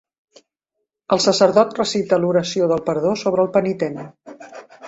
El sacerdot recita l'oració del perdó sobre el penitent.